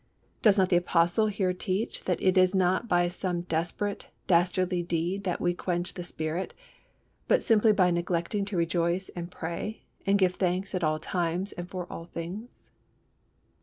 Does not the Apostle here teach that it is not by some desperate, dastardly deed that we quench the Spirit, but simply by neglecting to rejoice and pray, and give thanks at all times and for all things?